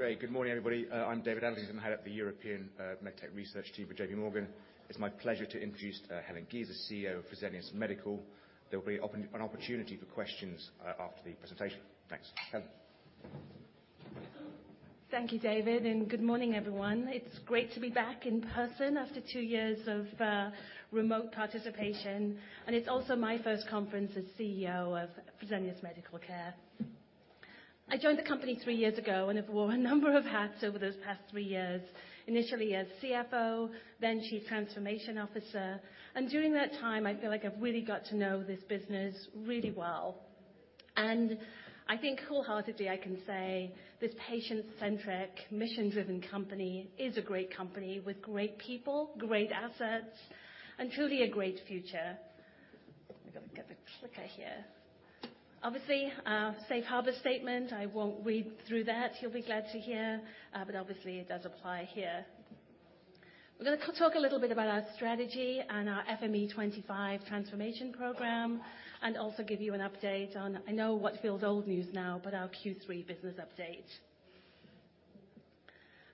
Great. Good morning, everybody. I'm David Adlington, head of the European MedTech research team for J.P. Morgan. It's my pleasure to introduce Helen Giza, the CEO of Fresenius Medical. There will be an opportunity for questions after the presentation. Thanks. Helen. Thank you, David, and good morning everyone. It's great to be back in person after two years of remote participation, and it's also my first conference as CEO of Fresenius Medical Care. I joined the company three years ago and have worn a number of hats over those past three years. Initially as CFO, then Chief Transformation Officer, and during that time, I feel like I've really got to know this business really well. I think wholeheartedly I can say this patient-centric, mission-driven company is a great company with great people, great assets, and truly a great future. Let me get the clicker here. Safe harbor statement. I won't read through that, you'll be glad to hear, but obviously it does apply here. We're gonna talk a little bit about our strategy and our FME25 transformation program, and also give you an update on, I know what feels old news now, but our Q3 business update.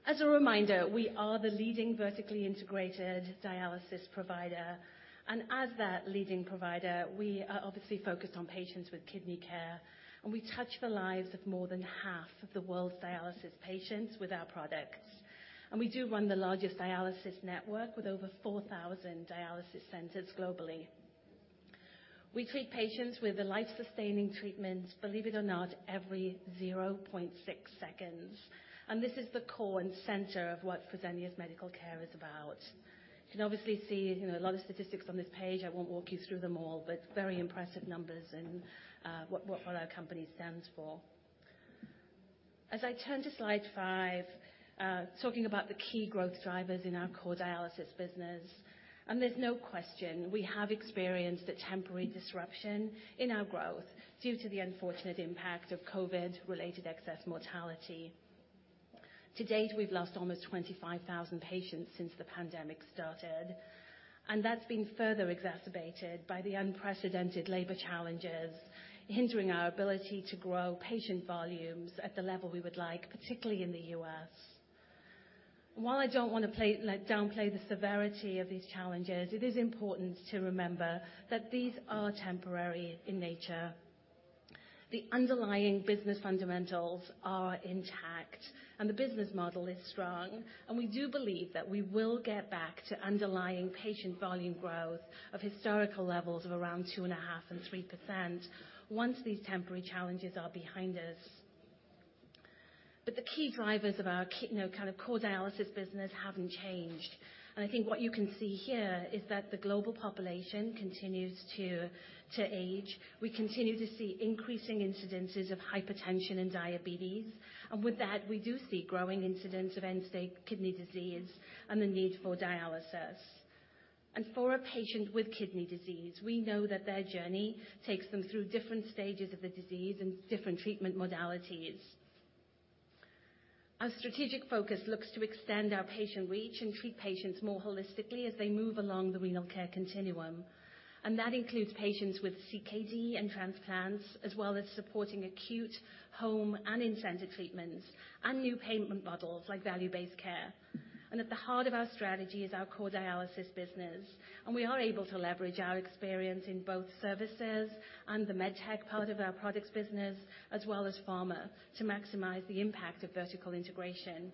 As a reminder, we are the leading vertically integrated dialysis provider, and as that leading provider, we are obviously focused on patients with kidney care. We touch the lives of more than half of the world's dialysis patients with our products. We do run the largest dialysis network with over 4,000 dialysis centers globally. We treat patients with life-sustaining treatments, believe it or not, every 0.6 seconds. This is the core and center of what Fresenius Medical Care is about. You can obviously see, you know, a lot of statistics on this page. I won't walk you through them all, very impressive numbers and what our company stands for. As I turn to slide five, talking about the key growth drivers in our core dialysis business. There's no question, we have experienced a temporary disruption in our growth due to the unfortunate impact of COVID-related excess mortality. To date, we've lost almost 25,000 patients since the pandemic started, that's been further exacerbated by the unprecedented labor challenges hindering our ability to grow patient volumes at the level we would like, particularly in the U.S. While I don't like downplay the severity of these challenges, it is important to remember that these are temporary in nature. The underlying business fundamentals are intact and the business model is strong. We do believe that we will get back to underlying patient volume growth of historical levels of around 2.5% and 3% once these temporary challenges are behind us. The key drivers of our you know, kind of core dialysis business haven't changed. I think what you can see here is that the global population continues to age. We continue to see increasing incidences of hypertension and diabetes. With that, we do see growing incidents of end-stage kidney disease and the need for dialysis. For a patient with kidney disease, we know that their journey takes them through different stages of the disease and different treatment modalities. Our strategic focus looks to extend our patient reach and treat patients more holistically as they move along the renal care continuum. That includes patients with CKD and transplants, as well as supporting acute home and in-center treatments and new payment models like value-based care. At the heart of our strategy is our core dialysis business, and we are able to leverage our experience in both services and the MedTech part of our products business, as well as pharma, to maximize the impact of vertical integration.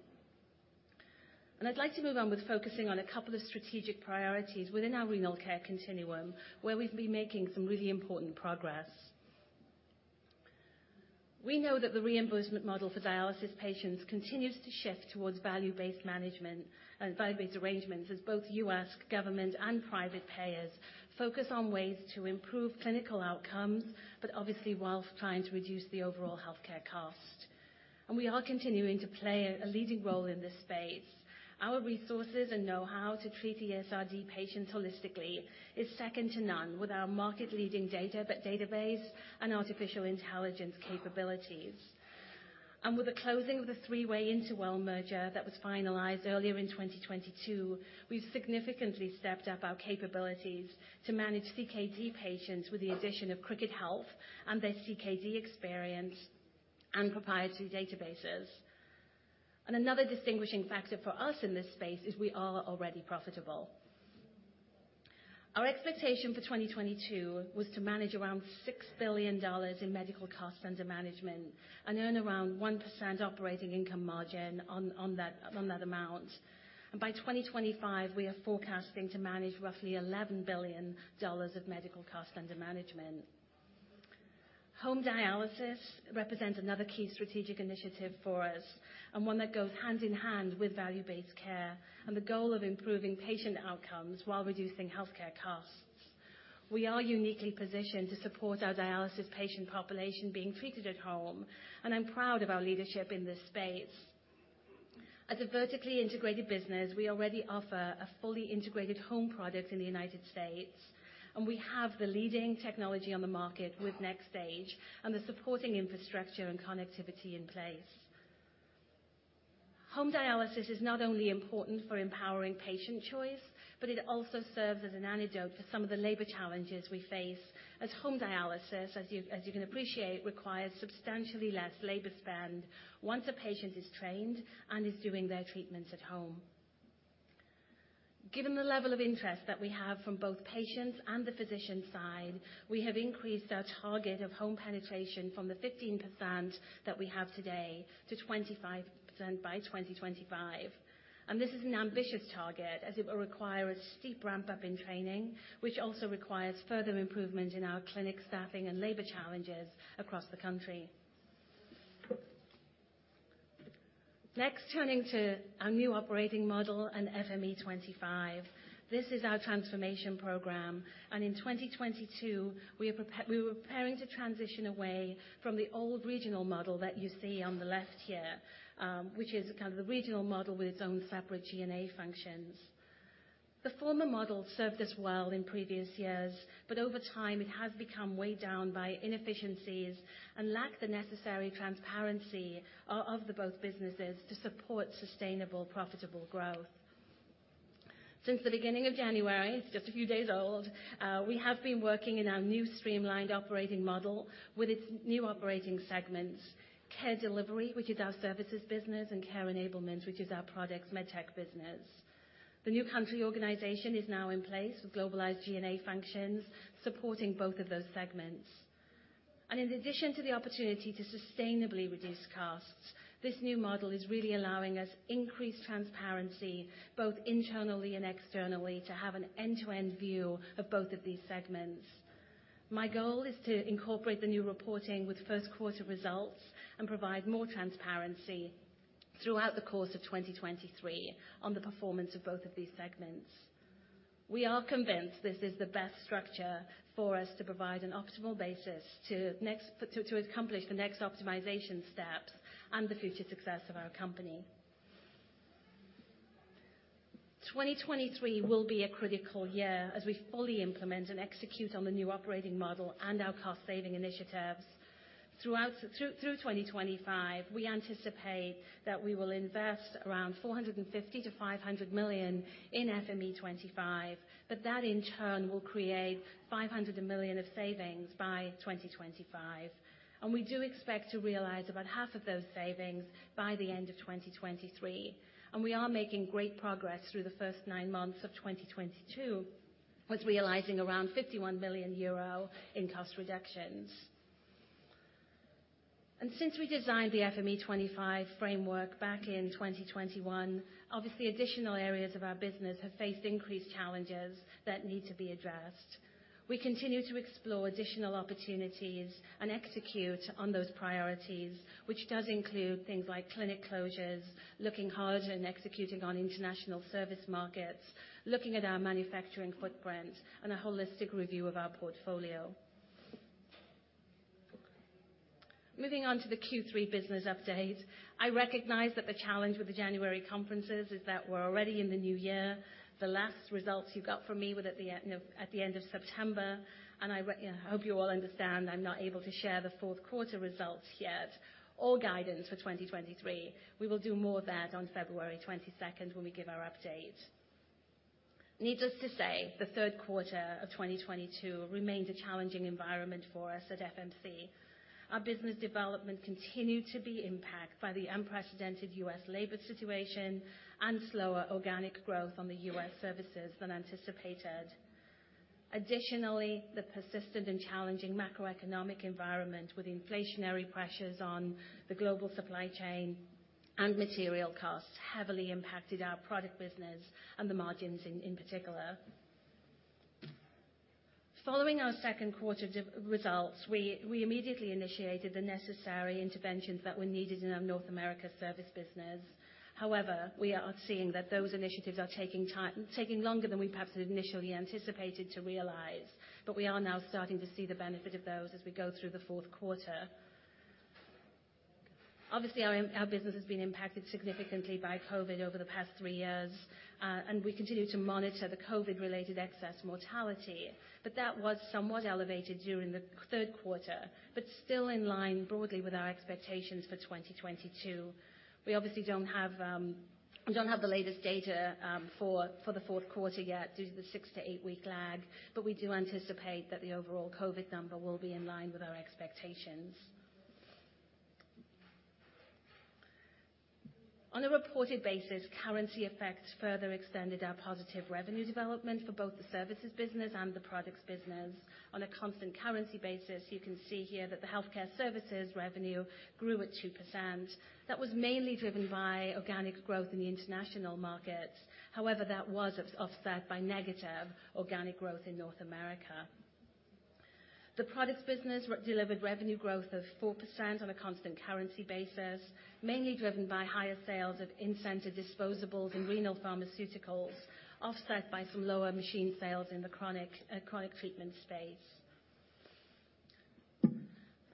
I'd like to move on with focusing on a couple of strategic priorities within our renal care continuum, where we've been making some really important progress. We know that the reimbursement model for dialysis patients continues to shift towards value-based management and value-based arrangements as both U.S. government and private payers focus on ways to improve clinical outcomes, but obviously while trying to reduce the overall healthcare cost. We are continuing to play a leading role in this space. Our resources and know-how to treat ESRD patients holistically is second to none with our market leading data, database and artificial intelligence capabilities. With the closing of the three way InterWell merger that was finalized earlier in 2022, we've significantly stepped up our capabilities to manage CKD patients with the addition of Cricket Health and their CKD experience and proprietary databases. Another distinguishing factor for us in this space is we are already profitable. Our expectation for 2022 was to manage around $6 billion in medical cost under management and earn around 1% operating income margin on that amount. By 2025, we are forecasting to manage roughly $11 billion of medical cost under management. Home dialysis represents another key strategic initiative for us, and one that goes hand in hand with value-based care and the goal of improving patient outcomes while reducing healthcare costs. We are uniquely positioned to support our dialysis patient population being treated at home, and I'm proud of our leadership in this space. As a vertically integrated business, we already offer a fully integrated home product in the United States, and we have the leading technology on the market with NxStage and the supporting infrastructure and connectivity in place. Home dialysis is not only important for empowering patient choice, but it also serves as an antidote to some of the labor challenges we face as home dialysis, as you can appreciate, requires substantially less labor spend once a patient is trained and is doing their treatments at home. Given the level of interest that we have from both patients and the physician side, we have increased our target of home penetration from the 15% that we have today to 25% by 2025. This is an ambitious target, as it will require a steep ramp-up in training, which also requires further improvement in our clinic staffing and labor challenges across the country. Next, turning to our new operating model and FME25. This is our transformation program. In 2022, we're preparing to transition away from the old regional model that you see on the left here, which is kind of the regional model with its own separate G&A functions. The former model served us well in previous years, but over time, it has become weighed down by inefficiencies and lacked the necessary transparency of the both businesses to support sustainable, profitable growth. Since the beginning of January, it's just a few days old, we have been working in our new streamlined operating model with its new operating segments, Care Delivery, which is our services business, and Care Enablement, which is our projects MedTech business. The new country organization is now in place with globalized G&A functions supporting both of those segments. In addition to the opportunity to sustainably reduce costs, this new model is really allowing us increased transparency, both internally and externally, to have an end-to-end view of both of these segments. My goal is to incorporate the new reporting with first quarter results and provide more transparency throughout the course of 2023 on the performance of both of these segments. We are convinced this is the best structure for us to provide an optimal basis to accomplish the next optimization steps and the future success of our company. 2023 will be a critical year as we fully implement and execute on the new operating model and our cost saving initiatives. Through 2025, we anticipate that we will invest around 450 million-500 million in FME25. That in turn will create 500 million of savings by 2025. We do expect to realize about half of those savings by the end of 2023. We are making great progress through the first nine months of 2022, with realizing around 51 million euro in cost reductions. Since we designed the FME25 framework back in 2021, obviously additional areas of our business have faced increased challenges that need to be addressed. We continue to explore additional opportunities and execute on those priorities, which does include things like clinic closures, looking harder and executing on international service markets, looking at our manufacturing footprint and a holistic review of our portfolio. Moving on to the Q3 business update. I recognize that the challenge with the January conferences is that we're already in the new year. The last results you got from me were at the you know, at the end of September. I hope you all understand I'm not able to share the fourth quarter results yet or guidance for 2023. We will do more of that on February 22nd when we give our update. Needless to say, the third quarter of 2022 remained a challenging environment for us at FMC. Our business development continued to be impacted by the unprecedented U.S. labor situation and slower organic growth on the U.S. services than anticipated. Additionally, the persistent and challenging macroeconomic environment with inflationary pressures on the global supply chain and material costs heavily impacted our product business and the margins in particular. Following our second quarter results, we immediately initiated the necessary interventions that were needed in our North America service business. However, we are seeing that those initiatives are taking time, taking longer than we perhaps had initially anticipated to realize. We are now starting to see the benefit of those as we go through the fourth quarter. Obviously, our business has been impacted significantly by COVID over the past three years, and we continue to monitor the COVID-related excess mortality. That was somewhat elevated during the third quarter, but still in line broadly with our expectations for 2022. We obviously don't have the latest data for the fourth quarter yet due to the six to eight week lag, but we do anticipate that the overall COVID number will be in line with our expectations. On a reported basis, currency effects further extended our positive revenue development for both the services business and the products business. On a constant currency basis, you can see here that the healthcare services revenue grew at 2%. That was mainly driven by organic growth in the international markets. However, that was offset by negative organic growth in North America. The products business delivered revenue growth of 4% on a constant currency basis, mainly driven by higher sales of in-center disposables and renal pharmaceuticals, offset by some lower machine sales in the chronic treatment space.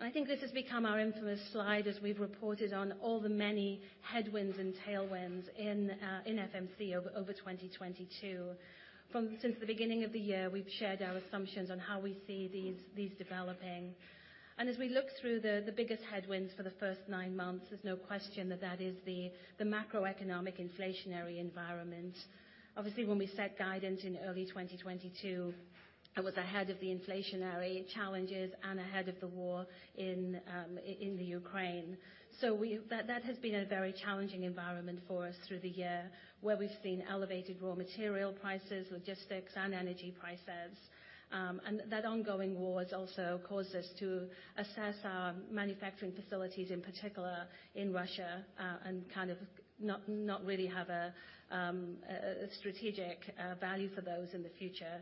I think this has become our infamous slide as we've reported on all the many headwinds and tailwinds in FMC over 2022. Since the beginning of the year, we've shared our assumptions on how we see these developing. As we look through the biggest headwinds for the first nine months, there's no question that is the macroeconomic inflationary environment. Obviously, when we set guidance in early 2022, it was ahead of the inflationary challenges and ahead of the war in the Ukraine. That has been a very challenging environment for us through the year, where we've seen elevated raw material prices, logistics and energy prices. And that ongoing war has also caused us to assess our manufacturing facilities, in particular in Russia, and kind of not really have a strategic value for those in the future.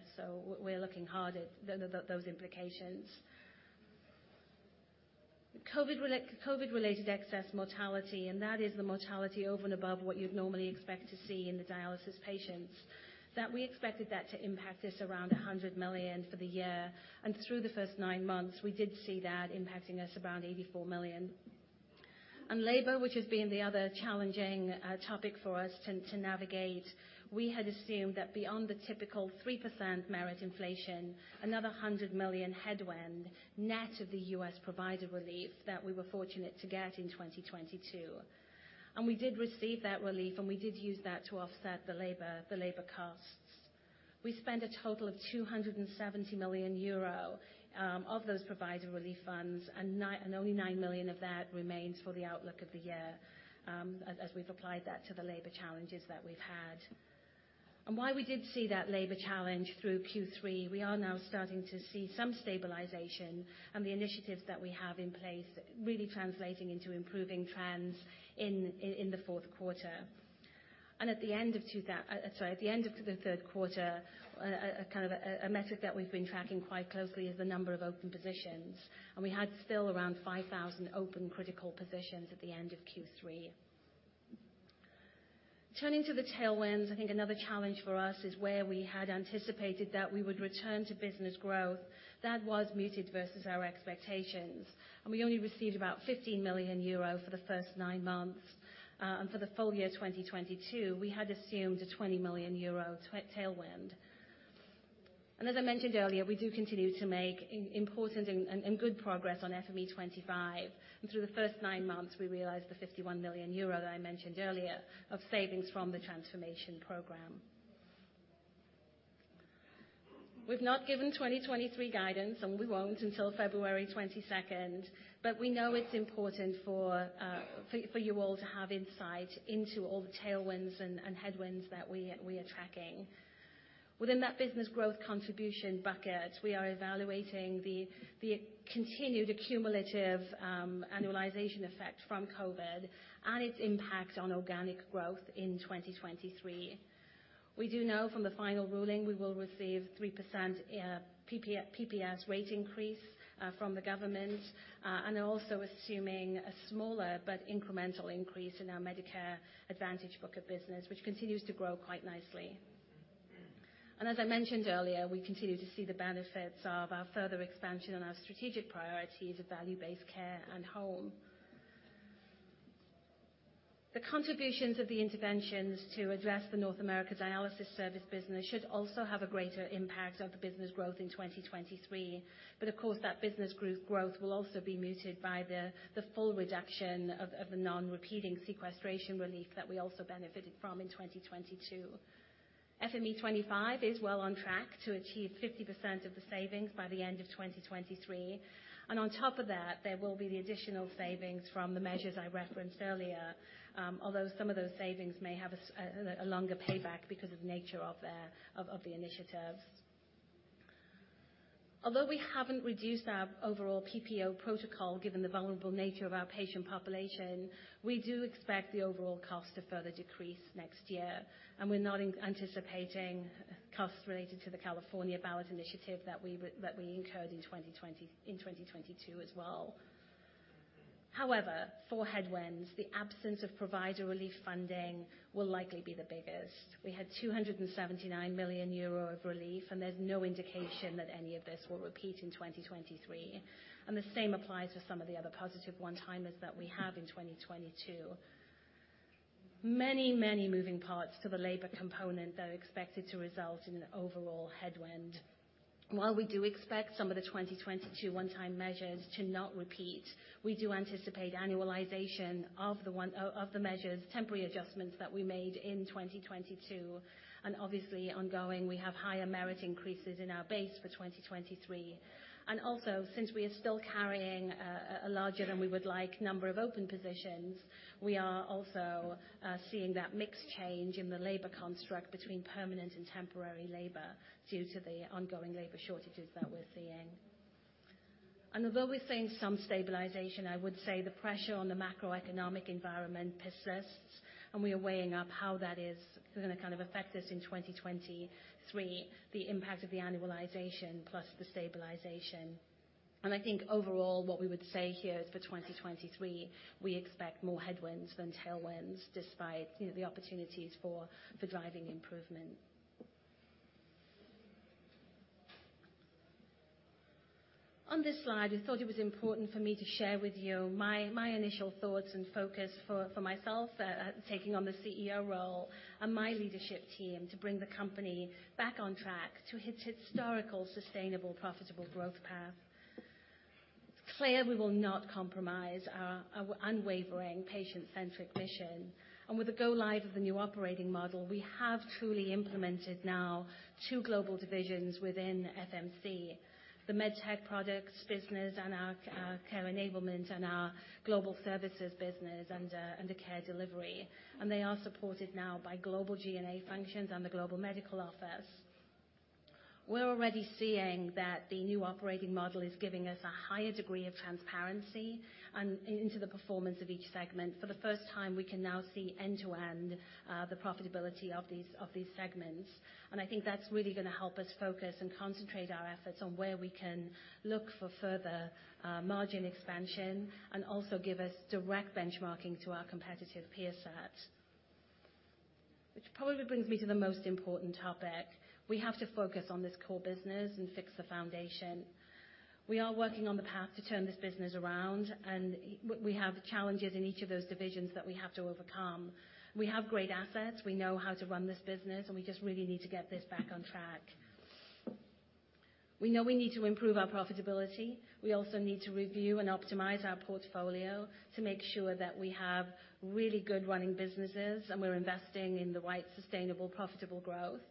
We're looking hard at those implications. COVID-related excess mortality, and that is the mortality over and above what you'd normally expect to see in the dialysis patients, that we expected that to impact us around 100 million for the year. Through the first nine months, we did see that impacting us around 84 million. Labor, which has been the other challenging topic for us to navigate. We had assumed that beyond the typical 3% merit inflation, another 100 million headwind net of the U.S. Provider Relief that we were fortunate to get in 2022. We did receive that relief, and we did use that to offset the labor costs. We spent a total of 270 million euro of those Provider Relief funds, and only 9 million of that remains for the outlook of the year, as we've applied that to the labor challenges that we've had. While we did see that labor challenge through Q3, we are now starting to see some stabilization and the initiatives that we have in place really translating into improving trends in the fourth quarter. At the end of. Sorry, at the end of the third quarter, kind of a metric that we've been tracking quite closely is the number of open positions, and we had still around 5,000 open critical positions at the end of Q3. Turning to the tailwinds, I think another challenge for us is where we had anticipated that we would return to business growth. That was muted versus our expectations, and we only received about 15 million euro for the first nine months. For the full year 2022, we had assumed a 20 million euro tailwind. As I mentioned earlier, we do continue to make important and good progress on FME25. Through the first nine months, we realized the 51 million euro that I mentioned earlier of savings from the transformation program. We've not given 2023 guidance, we won't until February 22nd. We know it's important for you all to have insight into all the tailwinds and headwinds that we are tracking. Within that business growth contribution bucket, we are evaluating the continued annualization effect from COVID and its impact on organic growth in 2023. We do know from the final ruling we will receive 3% PPS rate increase from the government, and also assuming a smaller but incremental increase in our Medicare Advantage book of business, which continues to grow quite nicely. As I mentioned earlier, we continue to see the benefits of our further expansion on our strategic priorities of value-based care and home. The contributions of the interventions to address the North America dialysis service business should also have a greater impact on the business growth in 2023. Of course, that business group growth will also be muted by the full reduction of the non-repeating sequestration relief that we also benefited from in 2022. FME25 is well on track to achieve 50% of the savings by the end of 2023. On top of that, there will be the additional savings from the measures I referenced earlier. Although some of those savings may have a longer payback because of the nature of the initiatives. Although we haven't reduced our overall PPE protocol given the vulnerable nature of our patient population, we do expect the overall cost to further decrease next year. We're not anticipating costs related to the California Ballot Initiative that we incurred in 2020, in 2022 as well. However, for headwinds, the absence of Provider Relief funding will likely be the biggest. We had 279 million euro of relief, and there's no indication that any of this will repeat in 2023. The same applies to some of the other positive one-timers that we have in 2022. Many moving parts to the labor component, though, expected to result in an overall headwind. While we do expect some of the 2022 one-time measures to not repeat, we do anticipate annualization of the measures, temporary adjustments that we made in 2022. Obviously ongoing, we have higher merit increases in our base for 2023. Since we are still carrying a larger than we would like number of open positions, we are also seeing that mix change in the labor construct between permanent and temporary labor due to the ongoing labor shortages that we're seeing. Although we're seeing some stabilization, I would say the pressure on the macroeconomic environment persists, and we are weighing up how that is gonna kind of affect us in 2023, the impact of the annualization plus the stabilization. I think overall, what we would say here is for 2023, we expect more headwinds than tailwinds despite, you know, the opportunities for driving improvement. On this slide, I thought it was important for me to share with you my initial thoughts and focus for myself, taking on the CEO role and my leadership team to bring the company back on track to its historical, sustainable, profitable growth path. It's clear we will not compromise our unwavering patient-centric mission. With the go live of the new operating model, we have truly implemented now two global divisions within FMC. The MedTech products business and our Care Enablement and our global services business under Care Delivery. They are supported now by global G&A functions and the Global Medical Office. We're already seeing that the new operating model is giving us a higher degree of transparency into the performance of each segment. For the first time, we can now see end to end the profitability of these segments. I think that's really gonna help us focus and concentrate our efforts on where we can look for further margin expansion, and also give us direct benchmarking to our competitive peer set. Which probably brings me to the most important topic. We have to focus on this core business and fix the foundation. We are working on the path to turn this business around, and we have challenges in each of those divisions that we have to overcome. We have great assets. We know how to run this business, and we just really need to get this back on track. We know we need to improve our profitability. We also need to review and optimize our portfolio to make sure that we have really good running businesses and we're investing in the right sustainable, profitable growth.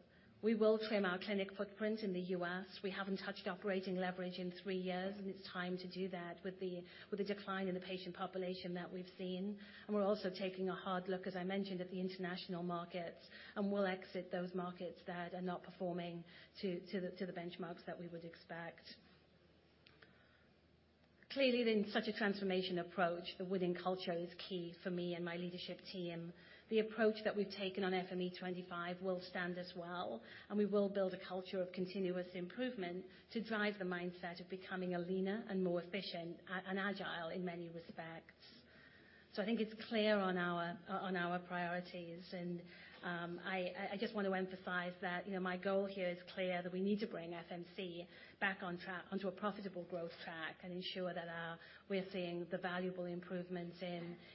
We will trim our clinic footprint in the U.S. We haven't touched operating leverage in three years. It's time to do that with the decline in the patient population that we've seen. We're also taking a hard look, as I mentioned, at the international markets, and we'll exit those markets that are not performing to the benchmarks that we would expect. Clearly, in such a transformation approach, the winning culture is key for me and my leadership team. The approach that we've taken on FME25 will stand us well, and we will build a culture of continuous improvement to drive the mindset of becoming a leaner and more efficient, and agile in many respects. I think it's clear on our priorities. I just want to emphasize that, you know, my goal here is clear that we need to bring FMC back on track, onto a profitable growth track and ensure that our, we're seeing the valuable improvements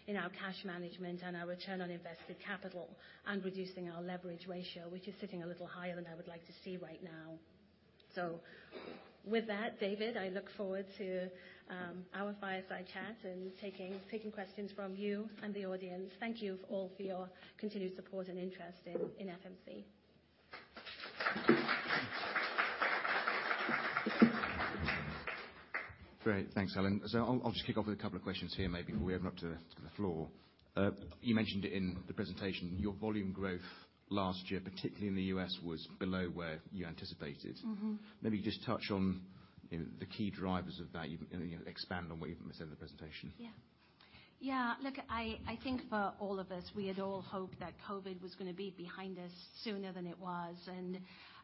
in our cash management and our return on invested capital and reducing our leverage ratio, which is sitting a little higher than I would like to see right now. With that, David, I look forward to our fireside chat and taking questions from you and the audience. Thank you for all for your continued support and interest in FMC. Great. Thanks, Helen. I'll just kick off with a couple of questions here maybe before we open up to the, to the floor. You mentioned in the presentation your volume growth last year, particularly in the U.S., was below where you anticipated. Mm-hmm. Maybe just touch on, you know, the key drivers of that. You, you know, expand on what you've said in the presentation. Yeah. Yeah. Look, I think for all of us, we had all hoped that COVID was gonna be behind us sooner than it was.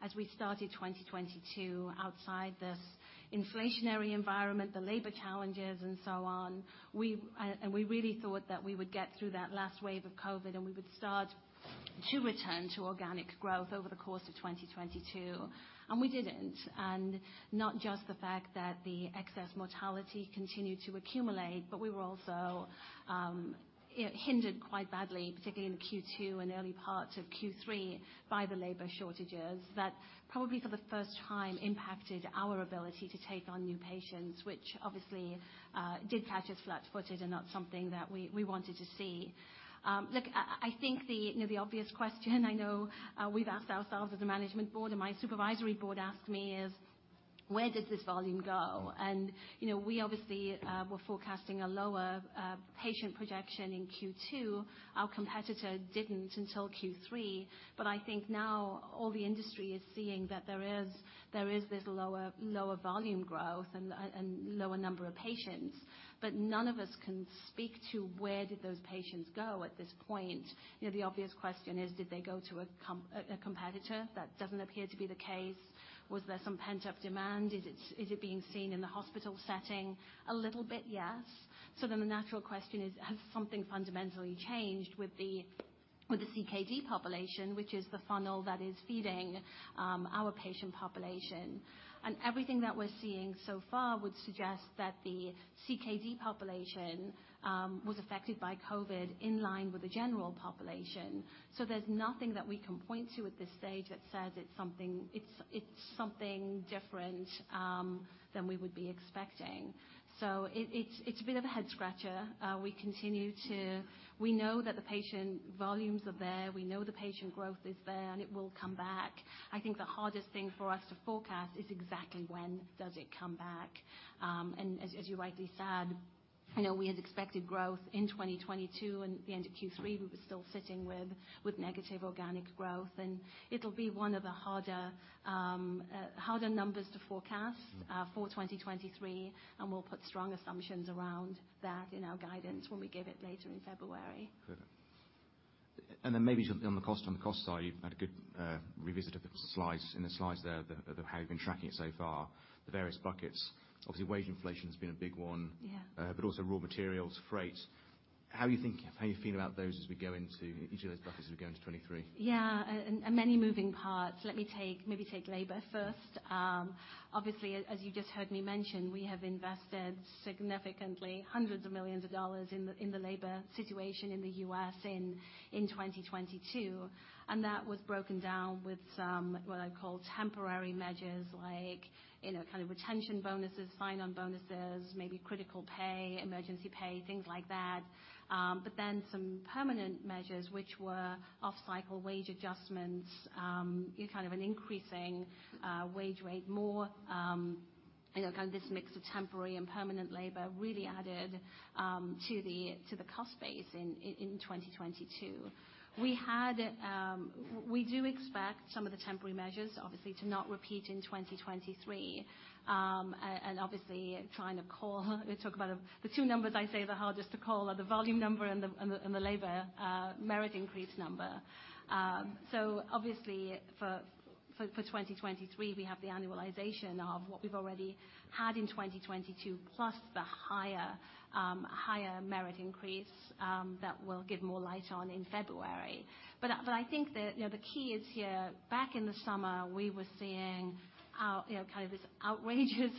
As we started 2022 outside this inflationary environment, the labor challenges and so on, we, and we really thought that we would get through that last wave of COVID and we would start to return to organic growth over the course of 2022. We didn't. Not just the fact that the excess mortality continued to accumulate, but we were also, hindered quite badly, particularly in Q2 and early parts of Q3 by the labor shortages that probably for the first time impacted our ability to take on new patients, which obviously, did catch us flat-footed and not something that we wanted to see. Look, I think the, you know, the obvious question I know, we've asked ourselves as a management board and my supervisory board asked me is: Where did this volume go? You know, we obviously, were forecasting a lower patient projection in Q2. Our competitor didn't until Q3. I think now all the industry is seeing that there is this lower volume growth and lower number of patients. None of us can speak to where did those patients go at this point. You know, the obvious question is, did they go to a competitor? That doesn't appear to be the case. Was there some pent-up demand? Is it being seen in the hospital setting? A little bit, yes. The natural question is, has something fundamentally changed with the CKD population, which is the funnel that is feeding our patient population. Everything that we're seeing so far would suggest that the CKD population was affected by COVID in line with the general population. There's nothing that we can point to at this stage that says it's something different than we would be expecting. It's a bit of a head scratcher. We know that the patient volumes are there, we know the patient growth is there, and it will come back. I think the hardest thing for us to forecast is exactly when does it come back. As you rightly said, you know, we had expected growth in 2022, and at the end of Q3, we were still sitting with negative organic growth. It'll be one of the harder numbers to forecast. Mm-hmm. For 2023, we'll put strong assumptions around that in our guidance when we give it later in February. Perfect. Then maybe on the cost side, you've had a good revisit of the slides. In the slides there, the how you've been tracking it so far, the various buckets. Obviously, wage inflation has been a big one. Yeah. Also raw materials, freight. How are you feeling about those as we go into each of those buckets as we go into 2023? Yeah. Many moving parts. Let me maybe take labor first. Obviously, as you just heard me mention, we have invested significantly, hundreds of millions of dollars in the labor situation in the U.S. in 2022. That was broken down with some, what I call temporary measures like, you know, kind of retention bonuses, sign-on bonuses, maybe critical pay, emergency pay, things like that. Then some permanent measures which were off-cycle wage adjustments, you know, kind of an increasing wage rate more, you know, kind of this mix of temporary and permanent labor really added to the cost base in 2022. We do expect some of the temporary measures obviously to not repeat in 2023. Obviously trying to talk about the two numbers I say are the hardest to call are the volume number and the labor merit increase number. Obviously for 2023, we have the annualization of what we've already had in 2022, plus the higher merit increase that we'll give more light on in February. I think the, you know, the key is here, back in the summer, we were seeing our, you know, kind of this outrageous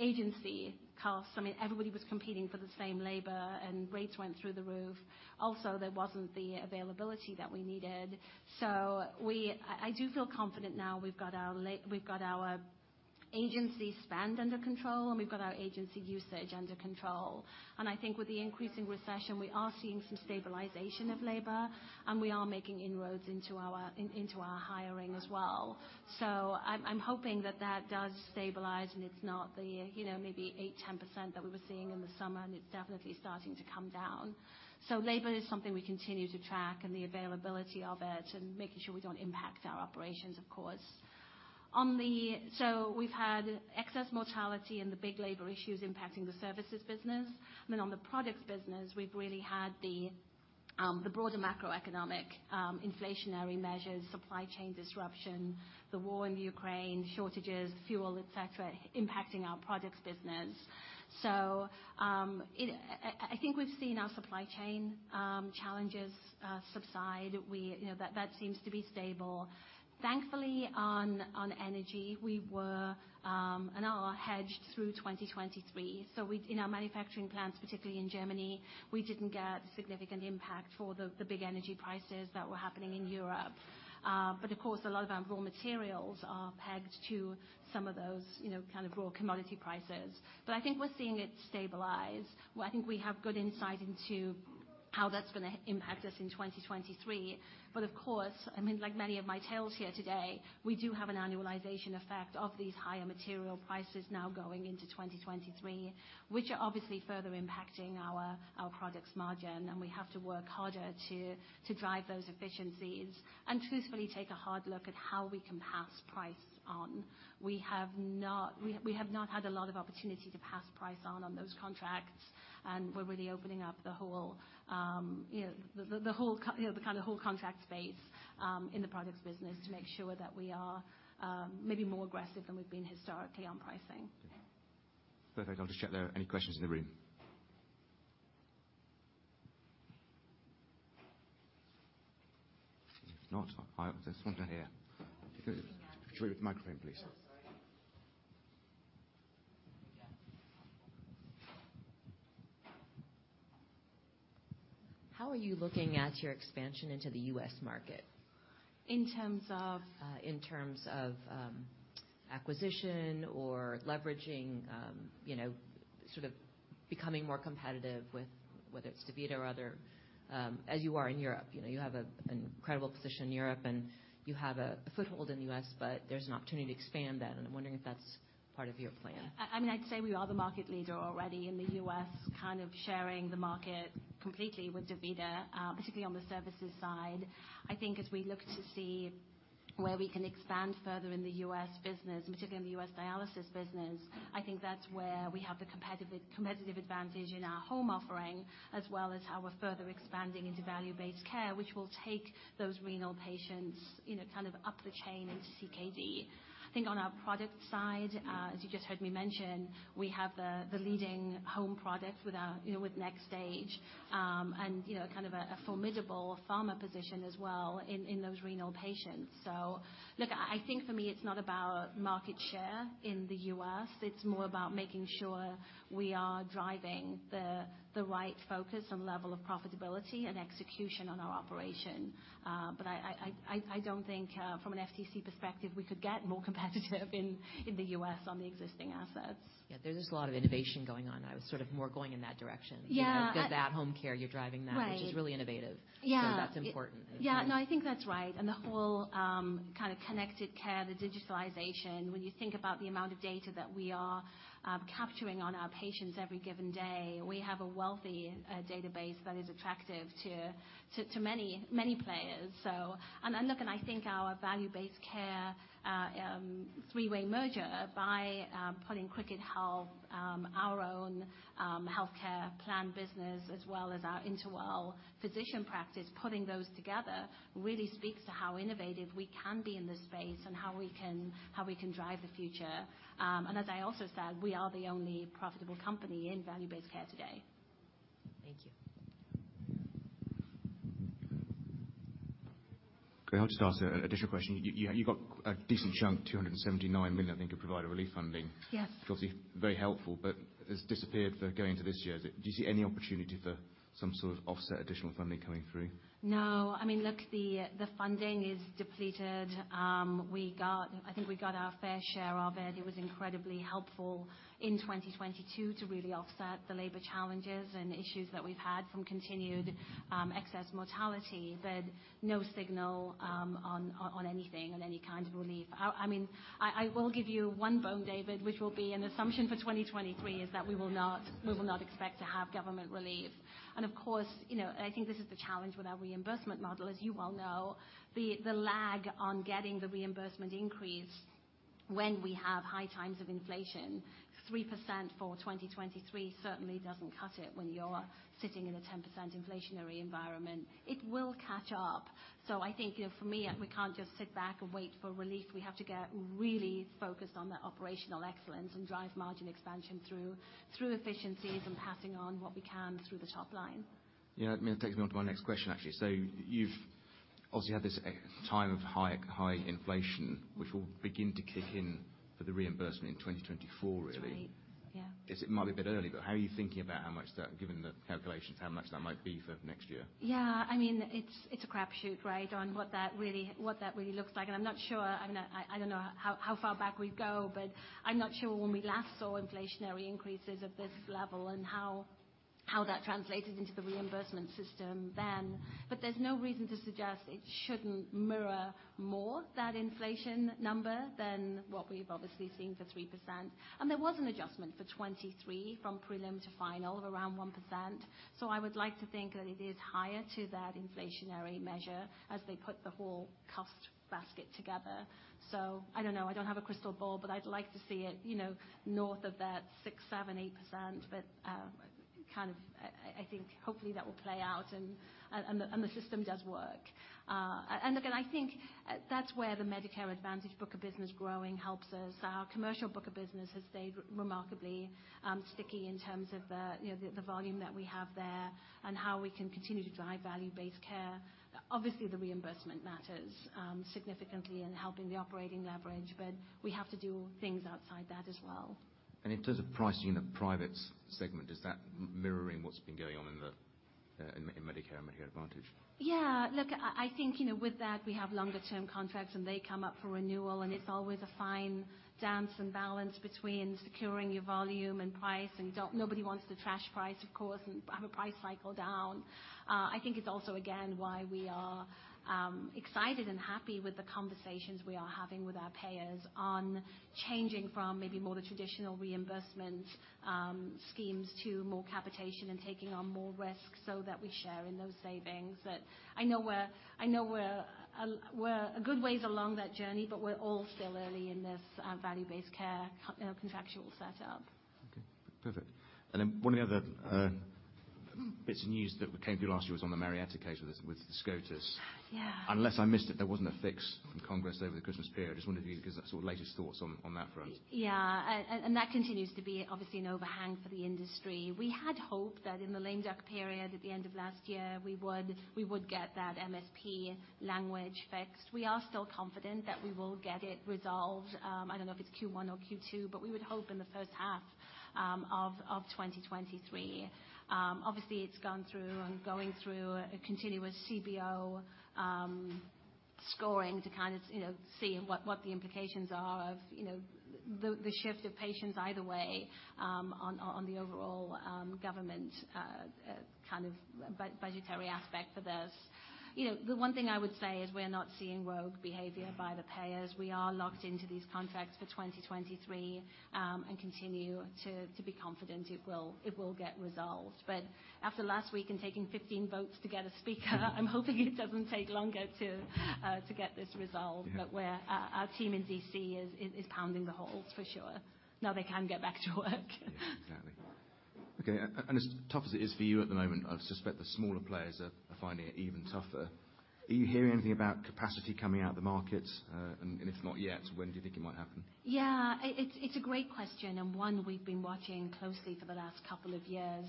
agency costs. I mean, everybody was competing for the same labor, and rates went through the roof. Also, there wasn't the availability that we needed. I do feel confident now we've got our agency spend under control, and we've got our agency usage under control. I think with the increasing recession, we are seeing some stabilization of labor, and we are making inroads into our hiring as well. I'm hoping that that does stabilize and it's not the, you know, maybe 8%-10% that we were seeing in the summer, and it's definitely starting to come down. Labor is something we continue to track and the availability of it and making sure we don't impact our operations of course. We've had excess mortality and the big labor issues impacting the services business. I mean, on the products business, we've really had the broader macroeconomic inflationary measures, supply chain disruption, the war in Ukraine, shortages, fuel, et cetera, impacting our products business. I think we've seen our supply chain challenges subside. We, you know, that seems to be stable. Thankfully on energy, we were and are hedged through 2023. In our manufacturing plants, particularly in Germany, we didn't get significant impact for the big energy prices that were happening in Europe. Of course a lot of our raw materials are pegged to some of those, you know, kind of raw commodity prices. I think we're seeing it stabilize. Well, I think we have good insight into how that's gonna impact us in 2023. Of course, I mean, like many of my tales here today, we do have an annualization effect of these higher material prices now going into 2023, which are obviously further impacting our products margin, and we have to work harder to drive those efficiencies and truthfully take a hard look at how we can pass price on. We have not had a lot of opportunity to pass price on those contracts. We're really opening up the whole, you know, the kind of whole contract space in the products business to make sure that we are maybe more aggressive than we've been historically on pricing. Perfect. I'll just check there are any questions in the room. If not, I just want to hear. How are you looking at... Could you with the microphone please? Oh, sorry. How are you looking at your expansion into the U.S. market? In terms of? in terms of acquisition or leveraging, you know, sort of becoming more competitive with, whether it's DaVita or other, as you are in Europe. You know, you have an incredible position in Europe, and you have a foothold in the U.S., but there's an opportunity to expand that, and I'm wondering if that's part of your plan? I mean, I'd say we are the market leader already in the U.S., kind of sharing the market completely with DaVita, particularly on the services side. I think as we look to see where we can expand further in the U.S. business, and particularly in the U.S. dialysis business, I think that's where we have the competitive advantage in our home offering, as well as how we're further expanding into value-based care, which will take those renal patients, you know, kind of up the chain into CKD. I think on our product side, as you just heard me mention, we have the leading home products with our, you know, with NxStage, and, you know, kind of a formidable pharma position as well in those renal patients. Look, I think for me it's not about market share in the U.S., it's more about making sure we are driving the right focus and level of profitability and execution on our operation. I don't think from an FTC perspective, we could get more competitive in the U.S. on the existing assets. Yeah. There's just a lot of innovation going on. I was sort of more going in that direction. Yeah. The at-home care, you're driving that. Right. Which is really innovative. Yeah. That's important. Yeah. No, I think that's right. The whole kind of connected care, the digitalization. When you think about the amount of data that we are capturing on our patients every given day, we have a wealthy database that is attractive to many, many players. Look, and I think our value-based care three-way merger by pulling Cricket Health, our own healthcare plan business as well as our InterWell physician practice, putting those together really speaks to how innovative we can be in this space and how we can drive the future. As I also said, we are the only profitable company in value-based care today. Thank you. Can I just ask an additional question? You got a decent chunk, $279 million, I think, of Provider Relief Fund. Yes. Which is obviously very helpful, but it's disappeared going into this year. Do you see any opportunity for some sort of offset additional funding coming through? No. I mean, look, the funding is depleted. I think we got our fair share of it. It was incredibly helpful in 2022 to really offset the labor challenges and issues that we've had from continued excess mortality. No signal on anything, on any kind of relief. I mean, I will give you one bone, David, which will be an assumption for 2023, is that we will not expect to have government relief. Of course, you know, I think this is the challenge with our reimbursement model, as you well know, the lag on getting the reimbursement increase when we have high times of inflation, 3% for 2023 certainly doesn't cut it when you're sitting in a 10% inflationary environment. It will catch up. I think, you know, for me, we can't just sit back and wait for relief. We have to get really focused on that operational excellence and drive margin expansion through efficiencies and passing on what we can through the top line. Yeah. I mean, that takes me on to my next question, actually. You've obviously had this time of high, high inflation, which will begin to kick in for the reimbursement in 2024, really. That's right. Yeah. It might be a bit early, but how are you thinking about given the calculations, how much that might be for next year? Yeah, I mean, it's a crapshoot, right? On what that really looks like. I'm not sure, I mean, I don't know how far back we'd go, but I'm not sure when we last saw inflationary increases at this level and how that translated into the reimbursement system then. There's no reason to suggest it shouldn't mirror more that inflation number than what we've obviously seen for 3%. There was an adjustment for 23 from prelim to final of around 1%. I would like to think that it is higher to that inflationary measure as they put the whole cost basket together. I don't know, I don't have a crystal ball, but I'd like to see it, you know, north of that 6%, 7%, 8%. Kind of, I think hopefully that will play out and the system does work. Again, I think that's where the Medicare Advantage book of business growing helps us. Our commercial book of business has stayed remarkably sticky in terms of the, you know, the volume that we have there and how we can continue to drive value-based care. Obviously, the reimbursement matters significantly in helping the operating leverage, we have to do things outside that as well. In terms of pricing in the private segment, is that mirroring what's been going on in the Medicare and Medicare Advantage? Yeah. Look, I think, you know, with that, we have longer term contracts, and they come up for renewal, and it's always a fine dance and balance between securing your volume and price. Nobody wants to trash price, of course, and have a price cycle down. I think it's also again why we are excited and happy with the conversations we are having with our payers on changing from maybe more the traditional reimbursement schemes to more capitation and taking on more risk so that we share in those savings. I know we're a good ways along that journey, but we're all still early in this value-based care, you know, contractual setup. Okay. Perfect. One of the other bits of news that came through last year was on the Marietta case with SCOTUS. Yeah. Unless I missed it, there wasn't a fix from Congress over the Christmas period. I just wondered if you could give us sort of latest thoughts on that front. Yeah. That continues to be obviously an overhang for the industry. We had hoped that in the lame duck period at the end of last year, we would get that MSP language fixed. We are still confident that we will get it resolved, I don't know if it's Q1 or Q2, but we would hope in the first half of 2023. Obviously it's gone through and going through a continuous CBO scoring to kind of, you know, see what the implications are of, you know, the shift of patients either way, on the overall government budgetary aspect for this. You know, the one thing I would say is we're not seeing rogue behavior by the payers. We are locked into these contracts for 2023, and continue to be confident it will get resolved. After last week and taking 15 votes to get a speaker, I'm hoping it doesn't take longer to get this resolved. Yeah. Our team in D.C. is pounding the halls for sure. Now they can get back to work. Yeah, exactly. Okay. As tough as it is for you at the moment, I suspect the smaller players are finding it even tougher. Are you hearing anything about capacity coming out of the markets? If not yet, when do you think it might happen? It's a great question, one we've been watching closely for the last couple of years.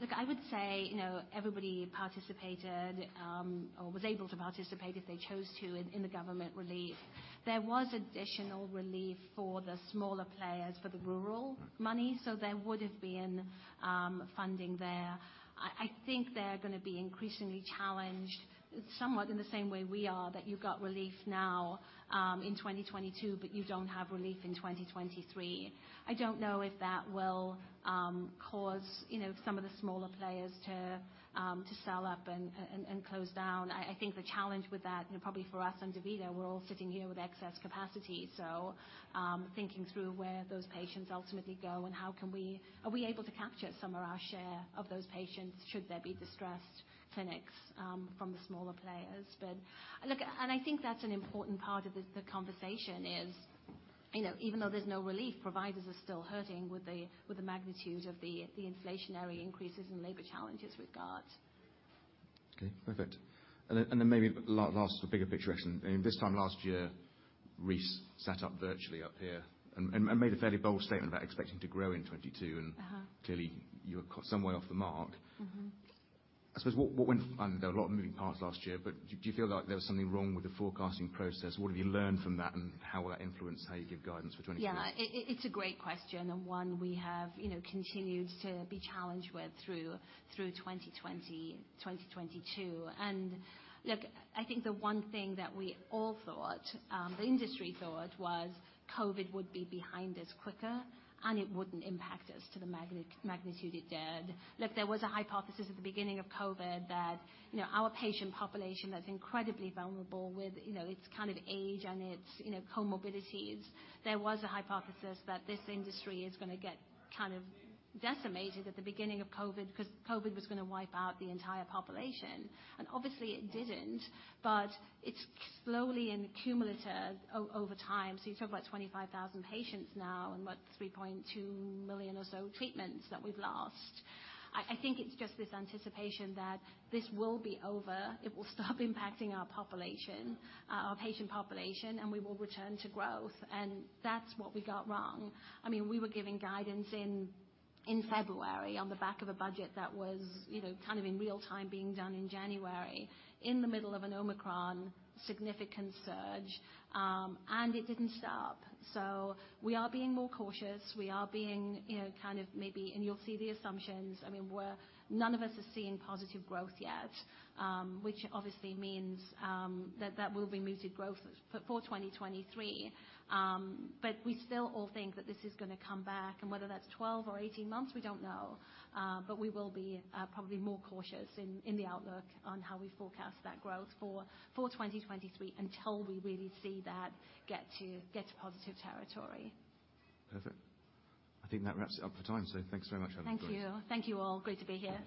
Look, I would say, you know, everybody participated or was able to participate if they chose to in the government relief. There was additional relief for the smaller players for the rural money, there would've been funding there. I think they're gonna be increasingly challenged, somewhat in the same way we are, that you've got relief now in 2022, you don't have relief in 2023. I don't know if that will cause, you know, some of the smaller players to sell up and close down. I think the challenge with that, you know, probably for us and DaVita, we're all sitting here with excess capacity. Thinking through where those patients ultimately go and are we able to capture some of our share of those patients should there be distressed clinics from the smaller players. Look, and I think that's an important part of this, the conversation is, you know, even though there's no relief, providers are still hurting with the, with the magnitude of the inflationary increases and labor challenges with guards. Okay. Perfect. Then maybe last bigger picture question. I mean, this time last year Rice sat up virtually up here and made a fairly bold statement about expecting to grow in 2022. Uh-huh. clearly you were someway off the mark. Mm-hmm. There were a lot of moving parts last year, do you feel like there was something wrong with the forecasting process? What have you learned from that, and how will that influence how you give guidance for 23? Yeah. It, it's a great question, and one we have, you know, continued to be challenged with through 2020, 2022. Look, I think the one thing that we all thought, the industry thought was COVID would be behind us quicker and it wouldn't impact us to the magnitude it did. Look, there was a hypothesis at the beginning of COVID that, you know, our patient population that's incredibly vulnerable with, you know, its kind of age and its, you know, comorbidities. There was a hypothesis that this industry is gonna get kind of decimated at the beginning of COVID, because COVID was gonna wipe out the entire population. Obviously it didn't. It's slowly and cumulative over time. You talk about 25,000 patients now and, what, 3.2 million or so treatments that we've lost. I think it's just this anticipation that this will be over. It will stop impacting our population, our patient population, and we will return to growth. That's what we got wrong. I mean, we were giving guidance in February on the back of a budget that was, you know, kind of in real-time being done in January in the middle of an Omicron significant surge, and it didn't stop. We are being more cautious. We are being, you know, kind of maybe. You'll see the assumptions. I mean, none of us are seeing positive growth yet, which obviously means that will be muted growth for 2023. We still all think that this is gonna come back, and whether that's 12 or 18 months, we don't know. We will be probably more cautious in the outlook on how we forecast that growth for 2023 until we really see that get to positive territory. Perfect. I think that wraps it up for time. Thanks so much, Helen. Great. Thank you. Thank you, all. Great to be here.